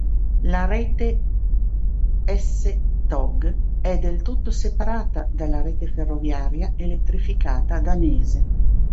La rete S-tog è del tutto separata dalla rete ferroviaria elettrificata danese.